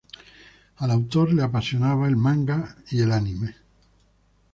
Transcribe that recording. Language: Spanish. Al autor le apasionaba el manga y el anime.